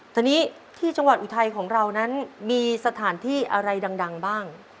ตอนนี้ที่จังหวัดอุทัยของเรานั้นมีสถานที่อะไรดังบ้าง